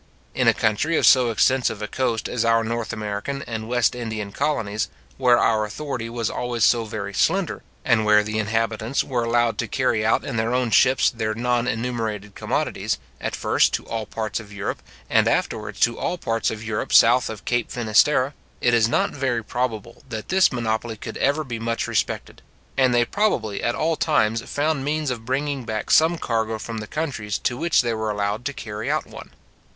In a country of so extensive a coast as our North American and West Indian colonies, where our authority was always so very slender, and where the inhabitants were allowed to carry out in their own ships their non enumerated commodities, at first to all parts of Europe, and afterwards to all parts of Europe south of Cape Finisterre, it is not very probable that this monopoly could ever be much respected; and they probably at all times found means of bringing back some cargo from the countries to which they were allowed to carry out one.